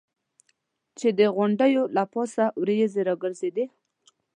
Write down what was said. چې د غونډیو له پاسه یې ورېځې ګرځېدې.